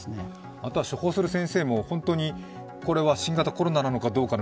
また処方する先生も本当にこれは新型コロナかどうかの